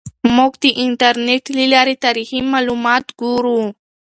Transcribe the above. موږ د انټرنیټ له لارې تاریخي معلومات ګورو.